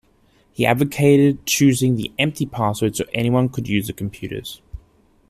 He advocated choosing the empty password so anyone could use the computers.